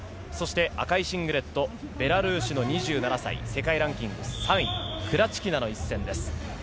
赤いシングレット、ベラルーシの２７歳、世界ランキング３位、クラチキナの一戦です。